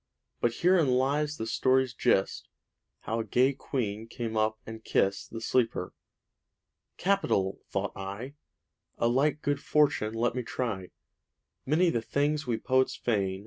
But herein lies the story's gist, How a gay queen came up and kist The sleeper. 'Capital!' thought I. 'A like good fortune let me try.' Many the things we poets feign.